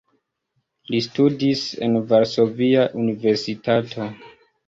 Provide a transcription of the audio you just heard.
Li studis en Varsovia Universitato.